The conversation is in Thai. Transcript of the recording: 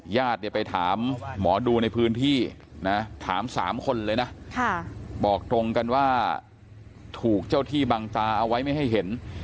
ญาติเนี่ยไปถามหมอดูในพื้นที่นะถาม๓คนเลยนะบอกตรงกันว่าถูกเจ้าที่บังตาเอาไว้ไม่ให้เห็น